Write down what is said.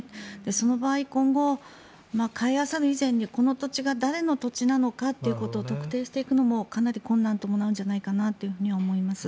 その場合、今後買いあさる以前にこの土地が誰の土地なのかっていうことを特定していくのもかなり困難になるんじゃないかなと思います。